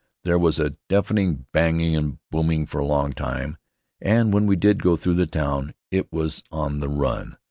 There was a deafening banging and booming for a long time, and when we did go through the town it was on the run.